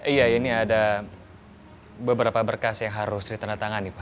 iya ini ada beberapa berkas yang harus ditanda tangan nih pak